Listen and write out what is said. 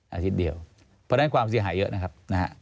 เพราะฉะนั้นความเสี่ยงหายเยอะนะครับ